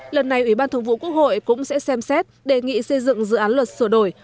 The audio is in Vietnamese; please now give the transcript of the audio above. lần này ủy ban thường vụ quốc hội cũng sẽ xem xét đề nghị xây dựng dự án luật sửa đổi